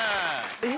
えっ？